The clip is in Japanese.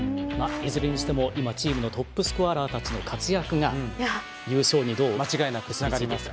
いずれにしても今、チームのトップスコアラーたちの活躍が優勝にどう結びついていくか。